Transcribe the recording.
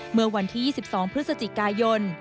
เมื่อวันที่๒๒พฤศจิกายน